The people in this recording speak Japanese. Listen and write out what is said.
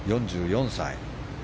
４４歳。